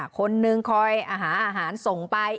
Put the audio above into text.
คนนึงคอยหาอาหารส่งไป